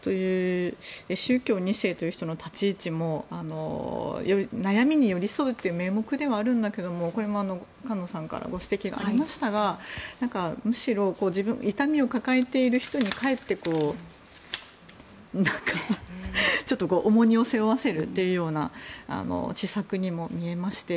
宗教２世という人の立ち位置も悩みに寄り添うという名目ではあるけれども菅野さんからご指摘がありましたがむしろ痛みを抱えている人にかえってちょっと重荷を背負わせるというような施策にも見えまして。